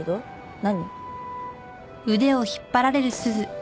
何？